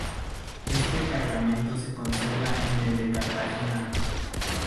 Este cargamento se conserva en el de Cartagena.